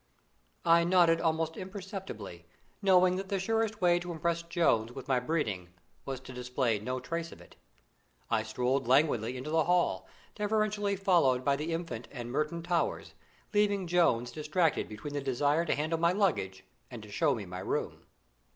I nodded almost imperceptibly, knowing that the surest way to impress Jones with my breeding was to display no trace of it. I strolled languidly into the hall, deferentially followed by the Infant and Merton Towers, leaving Jones distracted between the desire to handle my luggage and to show me my room.